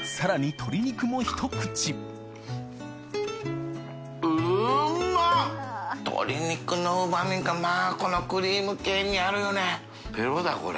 鶏肉のうま味がまぁこのクリーム系に合うよね。